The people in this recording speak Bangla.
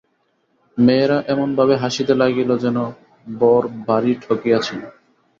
মেয়েরা এমনভাবে হাসিতে লাগিল যেন বর ভারি ঠকিয়াছেন।